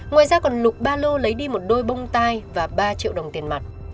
ngoài ra còn lục ba lô lấy đi một đôi bông tai và ba triệu đồng tiền mặt